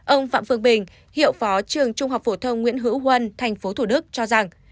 ông phạm phương bình hiệu phó trường trung học phổ thông nguyễn hữu huân tp thủ đức cho rằng